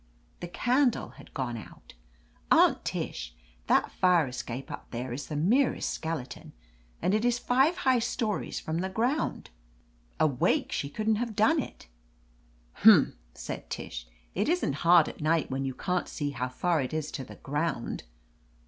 The candle had gone out. Aunt Tish, that fire escape up there is the merest skeleton, and it is five high stories from the ground. Awake, she couldn't have done it." "Humph!" said Tish. "It isn't hard at night, when you can't see how far it is to the ground."